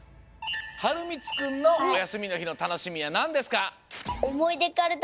はるみつくんのおやすみのひのたのしみはなんですか？